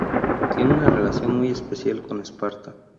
Tiene una relación muy especial con Esparta.